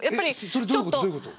それどういうこと？